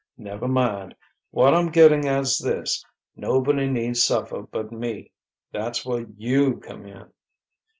Never mind.... What I'm getting at's this: nobody need suffer but me. That's where you come in.